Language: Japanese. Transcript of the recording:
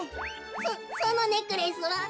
そそのネックレスは？